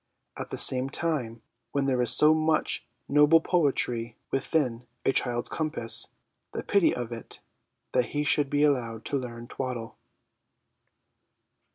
At the same time, when there is so much noble poetry within a child's compass, the pity of it, that he should be allowed to learn twaddle